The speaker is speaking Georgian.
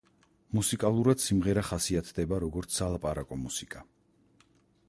მუსიკალურად სიმღერა ხასიათდება, როგორც სალაპარაკო მუსიკა.